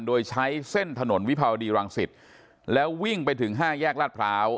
โดยใช้เส้นถนนวิภาวดีรังสิตแล้ววิ่งไปถึงห้าแยกลาดพร้าว